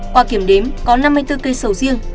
qua kiểm đếm có năm mươi bốn cây sầu riêng